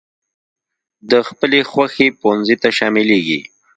د خپلې خوښي پونځي ته شاملېږي.